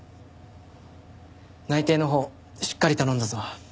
内偵のほうしっかり頼んだぞ。